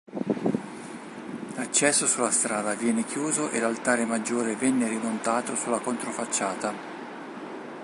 L'accesso sulla strada viene chiuso e l'altare maggiore venne rimontato sulla controfacciata.